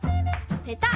ペタッ。